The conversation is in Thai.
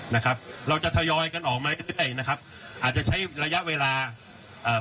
นะครับเราจะทยอยกันออกมาเรื่อยนะครับอาจจะใช้ระยะเวลาเอ่อ